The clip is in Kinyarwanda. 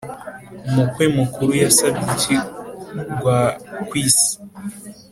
Umukwe mukuru yasabye iki gwakwisi?